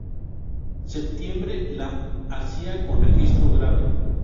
Septiembre la hacía con registro grave.